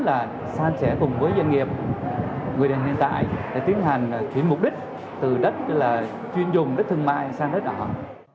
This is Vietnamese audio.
và sàn sẻ cùng với doanh nghiệp người đàn hiện tại để tiến hành chuyển mục đích từ đất chuyên dùng đất thương mại sang đất ỏ